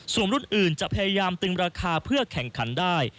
ส่วนรุ่นอื่นจะพยายามตึงราคาเพื่อแข่งขันได้